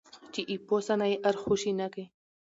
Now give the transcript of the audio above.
چې اېپوسه نه یې ارخوشي نه کي.